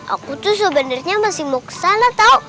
aku tuh sebenarnya masih mau ke sana tau